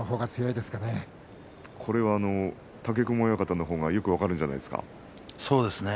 これは武隈親方の方がよく分かるんじゃないですかね。